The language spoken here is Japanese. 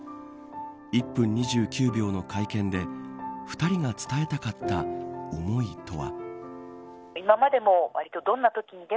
１分２９秒の会見で２人が伝えたかった思いとは。